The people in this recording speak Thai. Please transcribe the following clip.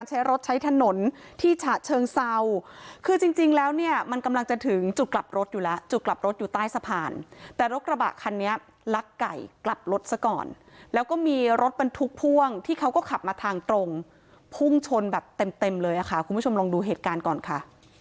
ใช้รถใช้ถนนที่ฉะเชิงเซาคือจริงแล้วเนี่ยมันกำลังจะถึงจุดกลับรถอยู่แล้วจุดกลับรถอยู่ใต้สะพานแต่รถกระบะคันนี้ลักไก่กลับรถซะก่อนแล้วก็มีรถบรรทุกพ่วงที่เขาก็ขับมาทางตรงพุ่งชนแบบเต็มเต็มเลยค่ะคุณผู้ชมลองดูเหตุการณ์ก่อนค่ะ